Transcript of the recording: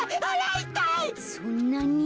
そんなに？